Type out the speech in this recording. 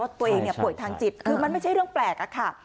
เพราะตัวเองป่วยทางจิตคือมันไม่ใช่เรื่องแปลก